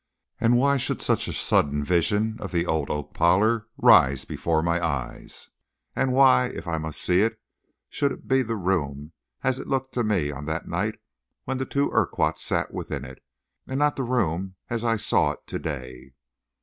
And why should such a sudden vision of the old oak parlor rise before my eyes? And why, if I must see it, should it be the room as it looked to me on that night when the two Urquharts sat within it, and not the room as I saw it to day!